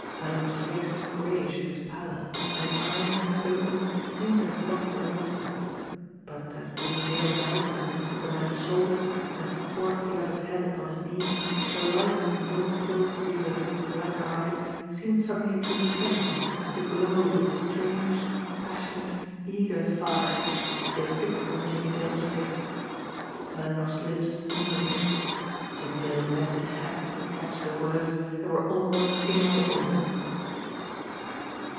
Melinoff's face was grayish in its pallor, and his eyes, open, seemed to have lost their lustre; but as Jimmie Dale knelt and lifted the man's shoulders and supported the other's head upon his knee, the light in the old clothes dealer's black eyes seemed suddenly to return and to glow with a strange, passionate, eager fire, as they fixed on Jimmie Dale's face. Melinoff's lips moved. Jimmie Dale bent his head to Catch the words that were almost inaudible.